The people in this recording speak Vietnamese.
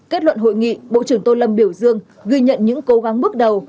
kết luận hội nghị bộ trưởng tô lâm biểu dương ghi nhận những cố gắng bước đầu